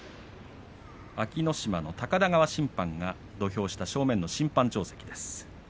安芸乃島の高田川審判部が正面の審判長席です。